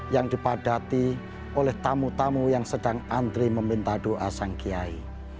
yang dipadati oleh tamu tamu yang sedang antri meminta doa sang kiai